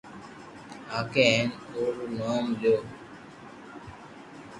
لاگي ھي ھين او رو نوم ڪيو